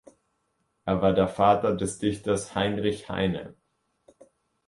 Er war der Vater des Dichters Heinrich Heine.